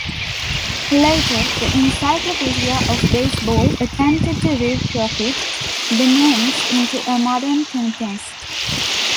Later, the "Encyclopedia of Baseball" attempted to retrofit the names into a modern context.